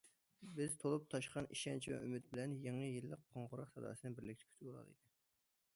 بىز تولۇپ تاشقان ئىشەنچ ۋە ئۈمىد بىلەن، يېڭى يىللىق قوڭغۇراق ساداسىنى بىرلىكتە كۈتۈۋالايلى!